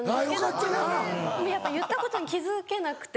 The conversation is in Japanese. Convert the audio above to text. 自分で言ったことに気付けなくて。